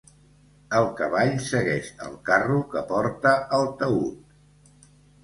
El cavall segueix el carro que porta el taüt.